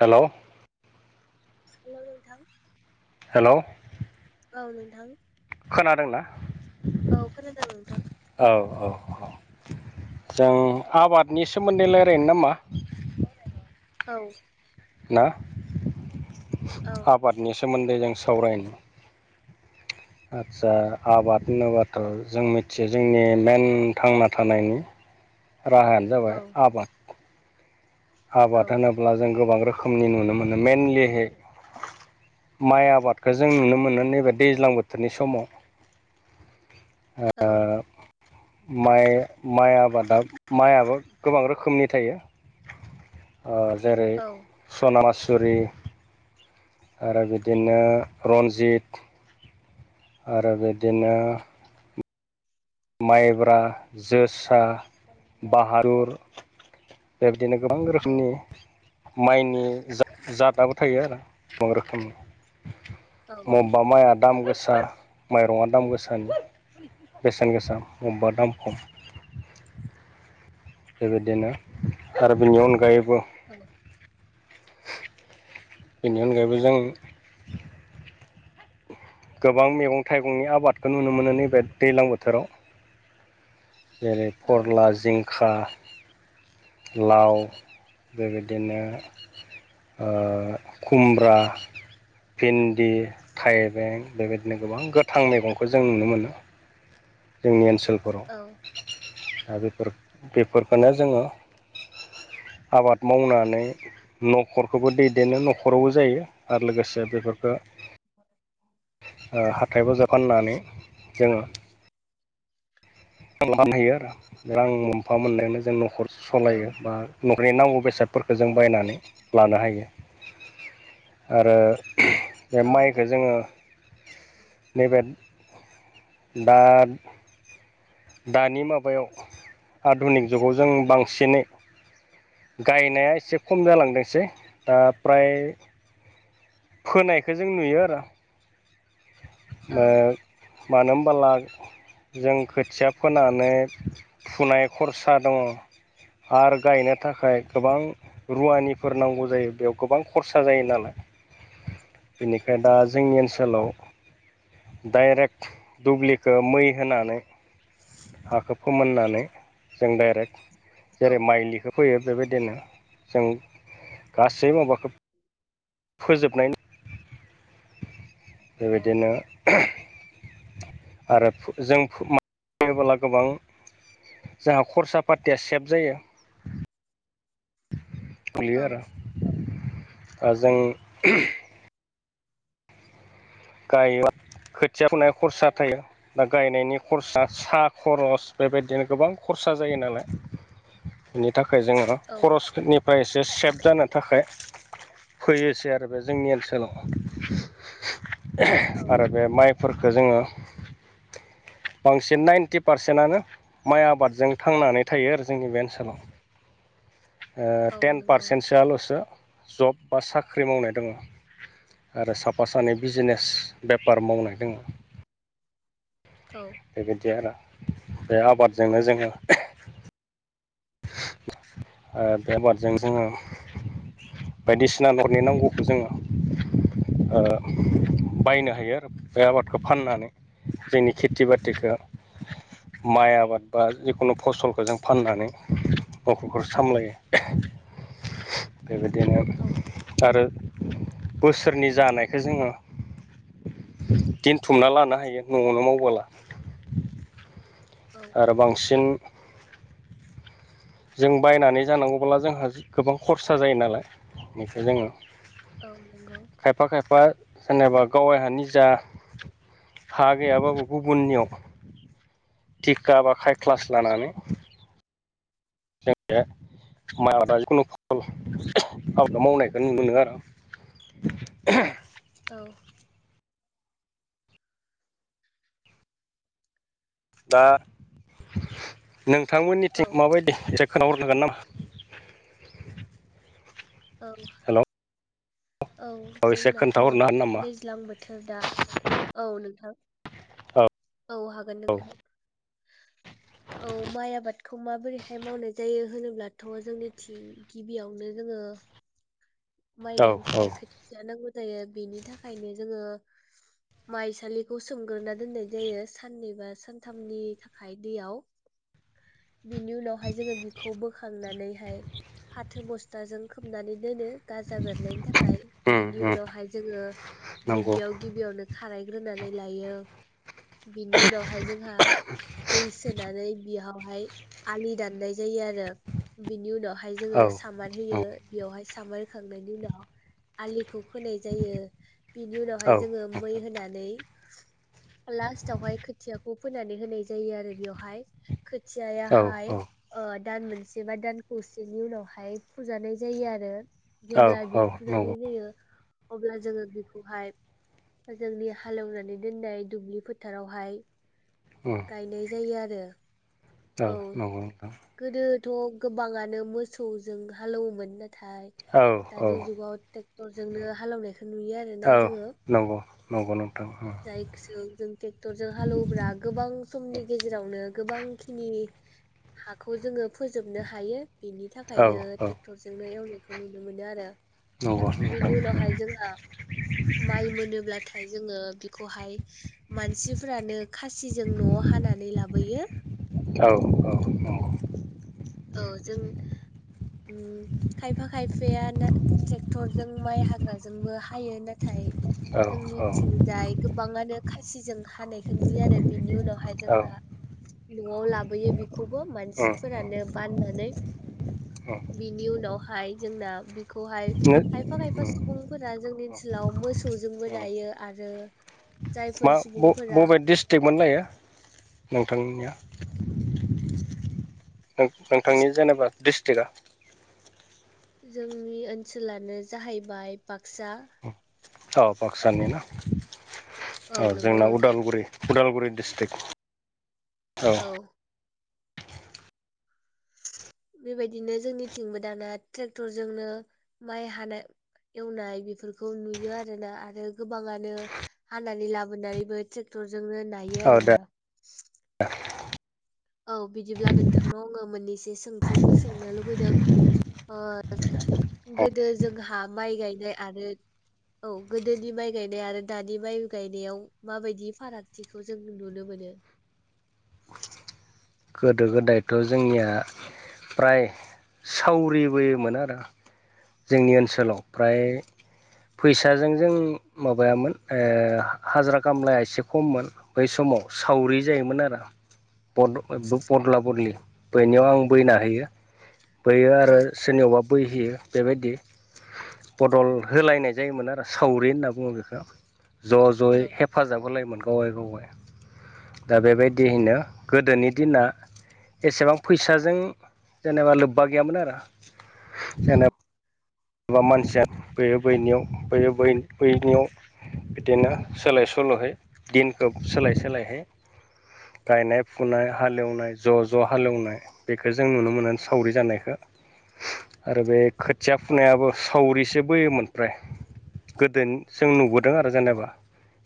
हेल'? Hello नोंथां। Hello. औ नोंथां। खोनादोंना? औ खोनादों नोंथां। औ औ औ जों आबादनि सोमोन्दै लायरायनो नामा? औ। ना औ आबादनि सोमोन्दै जों सावरायनि। आदसा आबाद होनोब्लााथ' जों मिथियो जोंनि मेन थांना थानायनि राहायानो औ जाबाय आबाद। औ आबाद होनोब्ला जों गोबां रोखोमनि नुनो मोनो मेइनलिहै माइ आबादखौ जों नुनो मोनो नैबे दैज्लां बोथोरनि समाव औ। माइ माइ आबादा माइयाबो गोबां रोखोमनि थायो। ओ जेरै औ सना मासुरि। आरो बिदिनो रनजित आरो बिदिनो माइब्रा जोसा बाहारुर बेबायदिनो गोबां औ रोखोमनि माइनि जा-जादआ थायो आरो गोबां रोखोमनि औ मब बा माइआ दाम गोसा माइरङा दाम गोसानि। दाम गोसा मबेबा दाम खम बेबायदिनो आरो बिनि अनगायैबो औ। बेनि अनगायैबो जों गोबां मैगं थाइगंनि आबादखौ नुनो मोनो नैबे दैलां बोथोराव जेरै औ फरला जिंखा लाउ बेबायदिनो ओ खुमब्रा भिन दि थाइबें बेबायदिनो गोबां गोथां मैगंखौ जों नुनो मोनो। जोंनि ओनसोलफोराव औ दा बेफोर बेफोरखौनो जोङो आबाद मावनानै न'खरखौबो दैदेनो न'खरावबो जायो आरो लोगोसे बेफोरखौ [inaudible] ओ हाथाय बाजार फाननानै जोङो फानहैयो आरो रां मोनफा मोननायनो जों न'खर औ सालायो बा न'खरनि नांगौ बेसादफोरखौ जों बायनानै लानो हायो। आरो बे औ माइखो जोङो नैबे दा दानि माबायाव आधुनिक जुगाव जों बांसिनै गायनाया एसे खम जालांदोंसै दा प्राय फोनायखौ जों नुयो आरो। ओ औ मानो होमबोला जों खोथिया फोनानै फुनाय खरसा दङ। आरो गायनो थाखाय गोबां रुवानिफोर नांगौ जायो बेयाव गोबां खरसा जायो नालाय। बेनिखाय दा जोंनि ओनसोलाव डाइरेक्ट दुब्लिखो मै होनानै हाखो फोमोननानै जों डाइरेक्ट जेरै माइलिखो फैयो बेबायदिनो जों गासै माबाखो फोजोबनाय बेबायदिनो [unintelligible] आरो फु जों फु [unintelligible] गोबां जोंहा खरसा पातिया सेभ जायो बियो औ आरो ओ जों गायोबा खोथिया फुनाय खरसा थायो बा गायनायनि खरसा सा खरस बेबायदिनो गोबां खरसा जायो नालाय इनि थाखाय जोङो खरसनि फाय एसे सेभ जानो थाखाय फैयोसै आरो बे जोंनि ओनसोलाव। औ [unintelligible] आरो बे माइफोरखो जोङो बांसिन नाइन्टि पारसेनआनो माइ आबादजों थांनानै थायो आरो जोंनि बे ओनसोलाव। ओ औ टेन नंगौ पारसेन्टसोआल'सो जब बा साख्रि मावनाय दङ। आरो साफा सानै बिजिनेस बेपार मावनाय दोङो। औ बेबायदि आर' बे आबादजोंनो जोङो ओ बे आबादजों जोङो बायदिसिना न'नि नांगौखौ जोङो ओ बायनो हायो आरो बे आबादखो फाननानै जोंनि खेति बातिखो माइ आबाद बा जिखुनु फसलखो जों फाननानै। नख'रखो सामलायो बेबायदिनो औ आरो बोसोरनि जानायखो जोङो दिनथुमना लानो हायो न'आवनो मावबोला औ आरो बांसिन जों बायनानै जानांगौबोला जोंहा गोबां खरसा जायो नालाय इनिखाय जोङो औ नोंगौ खायफा-खायफा जेनेबा गावाइ हा निजा हा गैयाबाबो गुबुननियाव थिका बा खायख्लास लानानै [unintelligible] मावनायखो मोनो आरो [unintelligible] औ दा औ नोंथांमोननिथिं माबायदि [unintelligible] नामा औ हेल' औ एसे खोन्थाहरनो जोंनाथ' हागोन नामा दैज्लां बोथोर दा औ नोंथां औ औ हागोन नोंथां। [unintelligible] औ माइ आबादखौ माबोरैहाय मावनाय जायो होनोब्लाथ' जोंनि थिं गिबियावनो जोङो माइ गायनो औ औ थाखाय खो सिया जानांगौ जायो बेनि थाखायनो जोङो माइसालिखौ सोंग्रोना दोननाय जायो साननै बा सानथामनि थाखाय दैयाव बिनि उनावहाय जोङो बिखौ बोखांनानैहाय फाथो बस्ताजों खोबनानै दोनो। गाजा बेरनायनि थाखाय उम बिनि उम उनावहाय जोङो नंगौ दुब्लियाव गिबियावनो खारायग्रोनानै लायो बिनि उनावहाय जोंहा दै सोनानै बिहावहाय आलि दाननाय जायो आरो बिनि उनावहाय औ जोङो सामार औ होयो बियावहाय सामार खांनायनि उनाव आलिखौ खोनाय जायो बिनि उनावहाय औ जोङो मै होनानै लास्टावहाय खोथियाखौ फोनानै होनाय जायो आरो बियावहाय। खोथियाया औ हाय ओ दान मोनसे बा दान खौसेनि उनावहाय फुजानाय जायो आरो जेब्ला औ बियो नंगौ फुजानाय जायो अब्ला जोङो बेखौहाय जोंनि हालेवनानै दोननाय दुब्लि फोथारावहाय उम गायनाय जायो आरो औ नांगौ नोंथां गोदोथ' गोबाङानो मोसौजों हालौवोमोन नाथाय औ औ दानि जुगाव टेक्टरजोंनो हालेवनायखौ नुयो आरो ना जोङो नोंगौ नोंगौ नोंथां औ जायखोसो जों टेक्टरजों हालौवोबा गोबां समनि गेजेरावनो गोबां खिनि हाखौ जोङो फोजोबनो हायो बिनि थाख औ खायनो औ टेक्टरजोंनो एवनायखौ नुनो मोनो आरो नंगौ नोंथां बेनि उनावहाय जोंहा माइ मोनोब्लाथाय जोङो बेखौहाय मानसिफ्रानो खासिजों न'आव हानानै लाबोयो औ औ औ औ जों उम खायफा खायफाया ना टेक्टरजों माइ हा ग्राजोंबो हायो नाथाय औ जोंनिथिंजाय गोबाङानो खासिजों हानायखौ नुयो आरो बिनि उनावहाय औ जोंहा न'आव लाबोयो बिखौबो उम उम मानसिफोरानो बाननानै उम बिनि उनावहाय जोंना बि खौहाय नो खायफा खायफा सुबुंफोरा जोंनि ओनसोलाव मोसौ खौजोंबो नायो आरो जायफोर सुबुंफोरा स्टिटमोन नायो नोंथांनिया नों नोंथांनि जेनेबा डिस्टका जोंनि ओनसोलानो जाहैबाय बाक्सा औ बाक्सानि ना औ नंगौ जोंना नोंथां उदालगुरि उदालगुरि डिस्टक औ बेबादिनो जोंनिथिंबो दाना टेक्टरजोंनो माइ हानो एवनाय बिफोरखौ नुयो आरोना आरो गोबाङानो हानानै लाबोनानैबो टेक्टरजोंनो नायो औ दे आरोना औ बिदिब्ला नोंथांनाव आङो मोननैसो सोंथिफोर सोंनो लुुगैदों ओ जा गोदो जोंहा माइ गायनाय आरो औ गोदोनि माइ गायनाय आरो दानि माइ गायनायाव माबायदि फारागथिखौ जों नुनो मोनो गोदो गोदायथ' जोंनिया प्राय सावरिबोयोमोन आरो जोंनि ओनसोलाव प्राय फैसाजों जों माबायामोन ओ हाजारा कामलाया एसे खममोन। बै समाव सावरि जायोमोन आरो। बद ओ बो बदला बदलि बैनायाव आं बैना होयो। बैयो औ आरो सोरनियावबा बैहैयो। बेबायदि बदल होलायनाय जायोमोन आरो सावरि होनना बुङो बेखो। ज' औ ज'यै हेफाजाब होलायोमोन गावगाय गावगाय दा बेबायदिहैनो गोदोनि दिना एसेबां फैसाजों जेनेबा लोब्बा गैयामोन आरो औ जेनेब एबा मानसिया बैयो बैनियाव बैयो बै बैनियाव बिदिनो औ सोलाय सोल'है दिनखौ सोलाय सोलायहै गायनाय फुनाय हालेवनाय ज' ज' हालेवनाय बेखो जों नुनो मोनो सावरि जानायखो आरो बे खोथिया औ फुनायाबो सावरिसो बोयोमोन प्राय गोदो जों नुबोदों आरो जेनेबा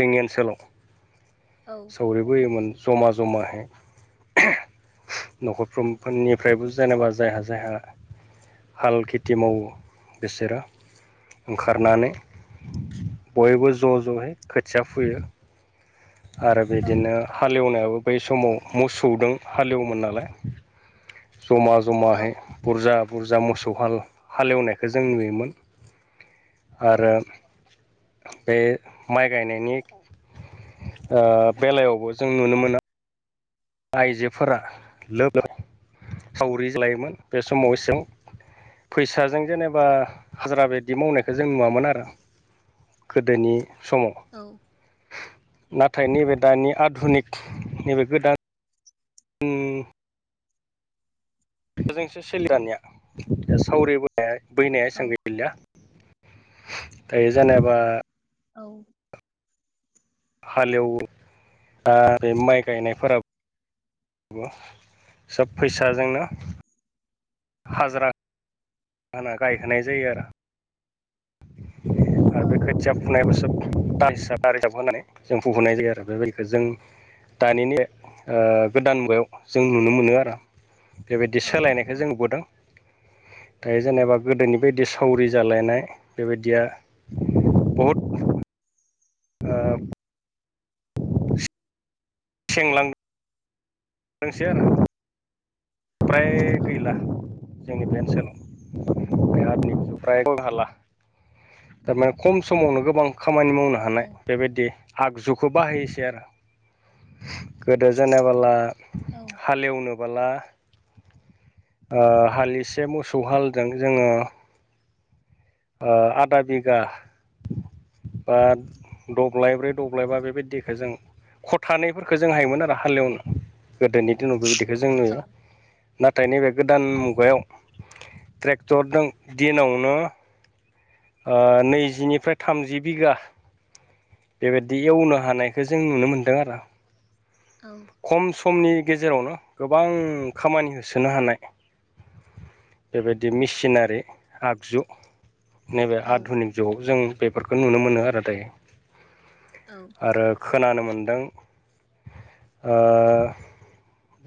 जोंनि ओनसोलाव औ। सौरिबोयोमोन जमा जमाहाय। न'खरफ्रोम फोरनिफ्रायबो जेनेबा जायहा जायहा हाल खेथि मावो। बेसेरो ओंखारनानै बयबो ज' ज'यै खोथिया फुयो। आरो औ औ बिदिनो हालेवनायाबो बै समाव मोसौदों हालेवोमोन नालाय। जमा जमाहै औ बुरजा बुरजा मोसौ हाल हालेवनायखौ जों नुयोमोन। औ आरो बे माइ गायनायनि ओ बेलायावबो जों आइजोफोरा लोब सावरि जालायोमोन बे समाव एसों फैसाजों जेनेबा हाजारा बे बिदि मावनायखौ जों नुवामोन आरो गोदोनि समाव। औ। नाथाय नैबे दानि आधुनिक नैबे गोदान [unintelligible] जोंसो सोलि दानिया सावरि बै बैनाया एसां गैलिया। दायो जेनेबा औ हालेवो आ बे माइ गायनायफोराब सोब फैसाजोंनो हाजरा आना गायहोनाय जायो आरो आरो औ बे खोथिया फु फुनायाबो सोब दा हिसाब दा हिसाब होनानै जों फुहुनाय जायो आरो बेबायदिखो जों दानिनि ओ गोदान मुगायाव जों नुनो मोनो आर' बेबायदि औ सोलायनायखौ नंगौ जों नुबोदों दायो जेनेबा गोदोनि बायदि सावरि जालायनाय बेबायदिया बहुद ओ सेंलां दोंसै आरो प्राय औ गैला। जोंनि बे ओनसोलाव बेहारनि फ्राय ख हाला थारमाने खम समावनो गोबां खामानि मावनो औ हानाय बेबायदि आगजुखौ बाहायसै आरो गोदो जेनेबोला औ हालेवनोबोला हासे मोसौ हालजों जोङो आदा बिगा बा दब्लायब्रै दब्लायबा बेबायदिखौ जों खथानैफोरखौ जों हायोमोन आरो हालेवनो गोदोनि दिनाव बेबायदिखौ जों औ नुयो। नाथाय नैबे गोदान मुगायाव ट्रेक्टरजों दिनावनो नैजिनिफ्राय थामजि बिगा बेबायदि एवनो हानायखौ जों नुनो मोन्दों आरो। औ। खम समनि गेजेरावनो गोबां खामानि होसोनो हानाय। बेबायदि मेसिनारि आगजु। नैबे औ आधुनिक जुगाव जों बेफोरखौ नुनो मोनो आरो दायो। औ। आरो खोनानो मोनदों। ओ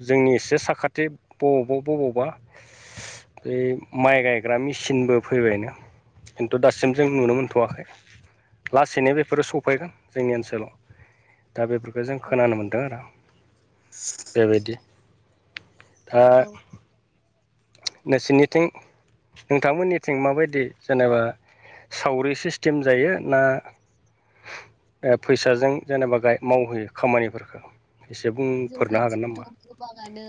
जोंनि एसे साखाथि बबावबा बबावबा बे माइ गायग्रा मेचिनबो फैबायनो खिन्थु दासिम जों नुनो मोन थ'वाखै लासैनो बेफोरो सफैगोन जोंनि ओनसोलाव। दा बेफोरखौ जों औ खोनानो मोन्दों आरो। [inaudible] बेबायदि। [inaudible] दा औ नोंसिनिथिं नोंथांमोननिथिं माबायदि जेनेबा सावरि सिस्टेम जायो ना ए फैसाजों जेनेबा ग मावहोयो खामानिफोरखौ? एसे बुं जोंनि दिंथ' गोबाङानो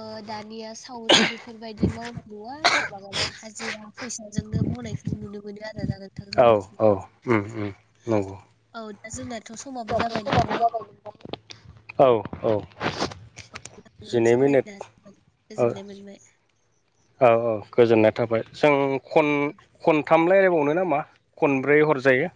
ओ दानिया सावरि बेफोरबायदि मावनाय नुवा गोबाङानो हाजिरा फैसाजोंनो मावनायखौ नुनो मोनो आरो। ओ जागोनथार औ औ जोंनिथिंजाय। उम उम नंगौ [inaudible] औ दा जोंनाथ' समाबो जाबाय नोंथां। औ औ। [inaudible] नोंजों जिनै मिनिट सावरायना [unintelligible] औ गोजोननाय मोनबाय। औ औ गोजोननाय थाबाय। जों खन-खनथाम रायलायबावनो नामा? खनब्रै हरजायो।